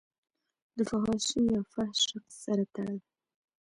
او دفحاشۍ يا فحش رقص سره تړل